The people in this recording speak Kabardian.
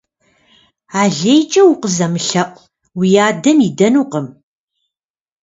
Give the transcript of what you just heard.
Алейкӏэ укъызэмылъэӏу, уи адэм идэнукъым.